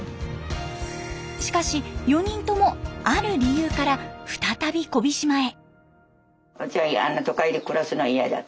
しかし４人ともある理由から再び小飛島へ。